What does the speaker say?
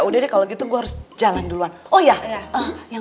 udah pesen sekarang